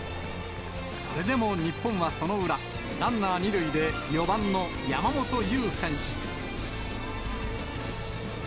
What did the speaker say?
それでも日本はその裏、ランナー２塁で、４番の山本優選手。